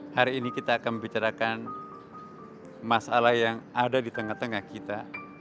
hari ini kita akan membicarakan masalah yang ada di tengah tengah kita